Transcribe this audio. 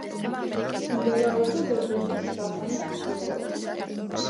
მდებარეობდა დერბენტის სახანოს ჩრდილოეთით.